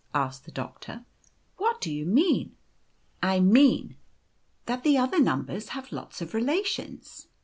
asked the Doctor; 'what do you mean ?'" i I mean that the other numbers have lots of relations.